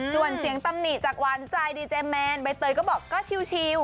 ส่วนเสียงตำหนิจากหวานใจดีเจแมนใบเตยก็บอกก็ชิล